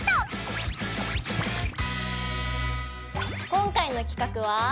今回の企画は。